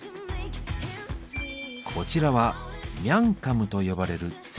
こちらは「ミャンカム」と呼ばれる前菜。